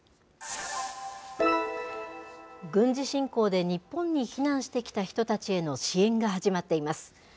軍事侵攻で日本に避難してきた人たちへの支援が始まっています。